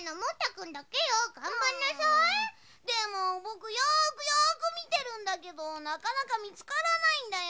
でもぼくよくよくみてるんだけどなかなかみつからないんだよ。